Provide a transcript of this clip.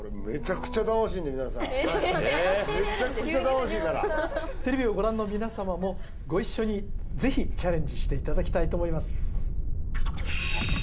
めちゃくちゃ楽しいからテレビをご覧の皆様もご一緒にぜひチャレンジしていただきたいと思います